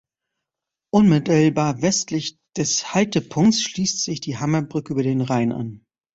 Unmittelbar westlich des Haltepunkts schließt sich die Hammer Brücke über den Rhein an.